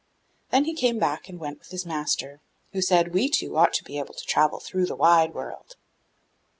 Then he came back and went with his master, who said, 'We two ought to be able to travel through the wide world!